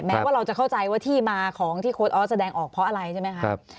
ว่าเราจะเข้าใจว่าที่มาของที่โค้ดออสแสดงออกเพราะอะไรใช่ไหมครับ